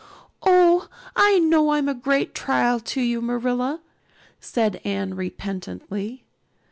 "Oh, I know I'm a great trial to you, Marilla," said Anne repentantly.